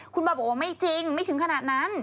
คุณบอยบอกว่าไม่จริงไม่ถึงขนาดนั้น